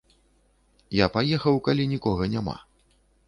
Я паехаў, калі нікога няма.